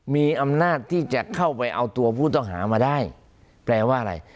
มีอำนาจที่จะเข้าไปเอาตัวผู้ต้องหามาได้แปลว่าอะไร